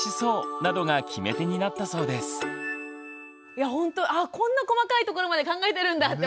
いやほんとこんな細かいところまで考えてるんだって